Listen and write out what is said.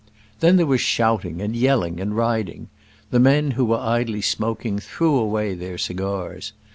Then there was shouting, and yelling, and riding. The men who were idly smoking threw away their cigars.